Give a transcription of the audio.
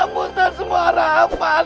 musnah semua rapat